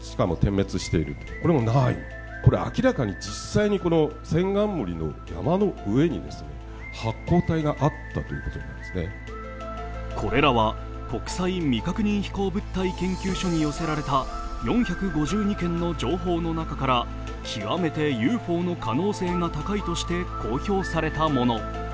更に、こんな動画もこれらは国際未確認飛行物体研究所に寄せられた４５２件の情報の中から極めてＵＦＯの可能性が高いとして公表されたもの。